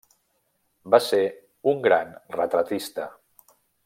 Va ser un gran retratista.